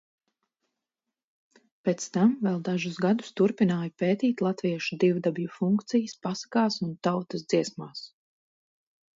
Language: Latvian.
Pēc tam vēl dažus gadus turpināju pētīt latviešu divdabju funkcijas pasakās un tautas dziesmās.